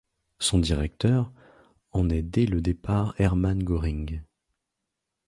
Son directeur en est dès le départ Hermann Göring.